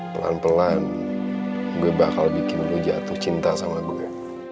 pelan pelan gue bakal bikin gue jatuh cinta sama gue